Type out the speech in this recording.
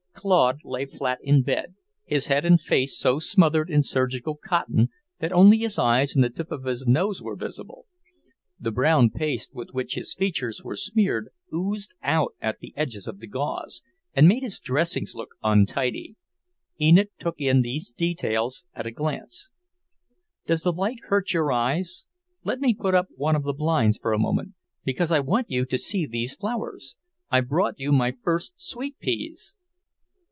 Claude lay flat in bed, his head and face so smothered in surgical cotton that only his eyes and the tip of his nose were visible. The brown paste with which his features were smeared oozed out at the edges of the gauze and made his dressings look untidy. Enid took in these details at a glance. "Does the light hurt your eyes? Let me put up one of the blinds for a moment, because I want you to see these flowers. I've brought you my first sweet peas."